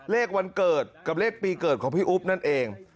เลขวันเกิดกับเลขปีเกิดของพี่อุ๊บนั่นเอง